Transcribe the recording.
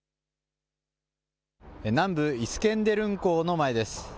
南部イスケンデルン港の前です。